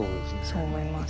そう思います。